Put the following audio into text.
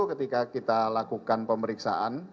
ketika kita lakukan pemeriksaan